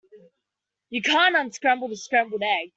You can't unscramble a scrambled egg.